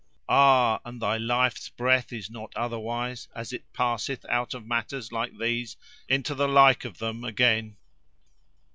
Ah! and thy life's breath is not otherwise, as it passeth out of matters like these, into the like of them again.